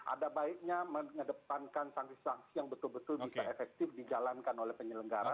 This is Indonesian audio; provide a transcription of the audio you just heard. ada baiknya mengedepankan sanksi sanksi yang betul betul bisa efektif dijalankan oleh penyelenggara